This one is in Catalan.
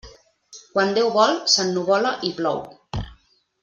Quan Déu vol, s'ennuvola i plou.